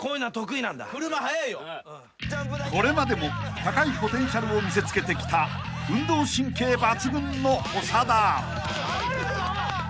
［これまでも高いポテンシャルを見せつけてきた運動神経抜群の長田］